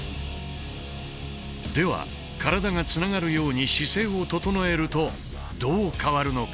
では体がつながるように姿勢を整えるとどう変わるのか？